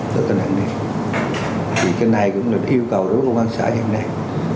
thì cái này cũng là yêu cầu của quốc an xã hiện nay